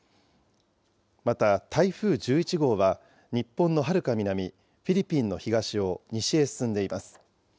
また台風１１号は、日本のはるか南、フィリピンの東を西へ進んでいます。